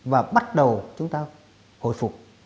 và bắt đầu chúng ta hồi phục